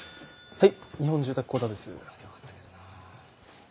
はい。